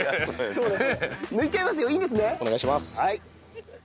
そうです。